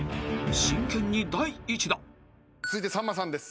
［真剣に第１打］続いてさんまさんです。